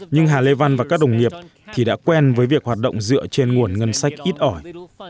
nhưng hà lê văn và các đồng nghiệp thì đã quen với việc hoạt động dựa trên nguồn ngân sách ít ỏi